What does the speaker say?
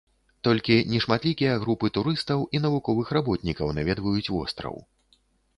Толькі нешматлікія групы турыстаў і навуковых работнікаў наведваюць востраў.